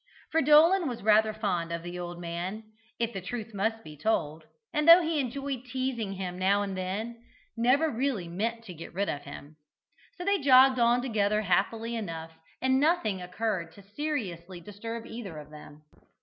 Fridolin was rather fond of the old man, if the truth must be told, and though he enjoyed teasing him now and then, never really meant to get rid of him. So they jogged on together happily enough, and nothing occurred to seriously disturb either of them.